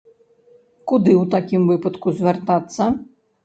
Куды ў такім выпадку звяртацца?